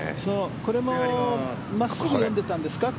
これも真っすぐを読んでいたんですか？